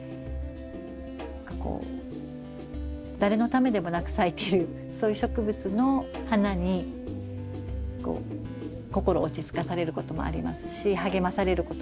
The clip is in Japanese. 何かこう誰のためでもなく咲いてるそういう植物の花にこう心落ち着かされることもありますし励まされることもありますし。